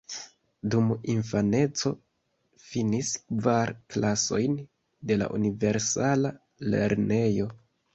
Dum infaneco finis kvar klasojn de la universala lernejo.